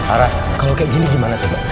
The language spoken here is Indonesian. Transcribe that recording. aras kalau kayak gini gimana tuh mbak